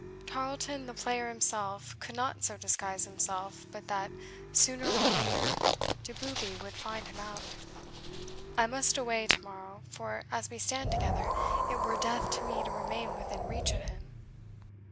Tarleton the player himself could not so disguise himself but that, sooner or later, Doboobie would find him out. I must away to morrow; for, as we stand together, it were death to me to remain within reach of him."